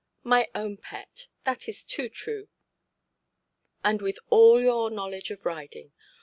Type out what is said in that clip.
"My own pet, that is too true. And with all your knowledge of riding!